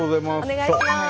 お願いします。